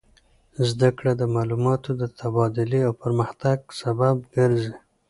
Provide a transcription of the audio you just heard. زده کړه د معلوماتو د تبادلې او پرمختګ سبب ګرځي.